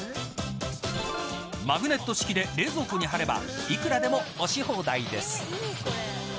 マグネット式で冷蔵庫に貼ればいくらでも押し放題です。